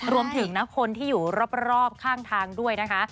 รวมถึงนะคนที่อยู่รอบข้างทางด้วยนะคะ